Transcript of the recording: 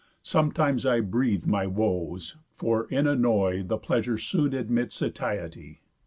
Sometimes I breathe my woes, for in annoy The pleasure soon admits satiety.